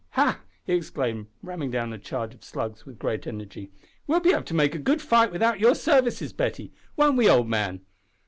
"Ha!" he exclaimed, ramming down a charge of slugs with great energy; "we'll be able to make a good fight without your services, Betty. Won't we, old man?"